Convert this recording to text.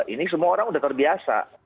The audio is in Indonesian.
ini semua orang sudah terbiasa